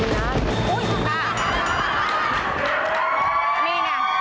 นี่นี่